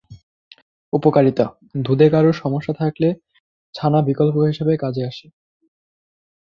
উপকারিতা:দুধে কারোর সমস্যা থাকলে ছানা বিকল্প হিসাবে কাজে আসে।